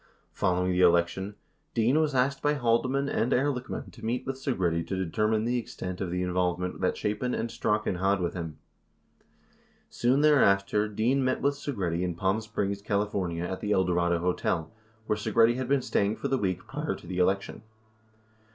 69 Following the election, Dean was asked by Haldeman and Ehrlich man to meet with Segretti to determine the extent of the involvement that Chapin and Strachan had with him. 70 Soon thereafter, Dean met with Segretti in Palm Springs, Calif., at the El Dorado Hotel, where Segretti had been staying for the week prior to the election.